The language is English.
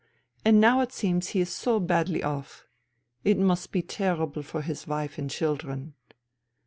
And now it seems he is so badly off. It must be terrible for his wife and children."